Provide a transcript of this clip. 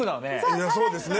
いやそうですね。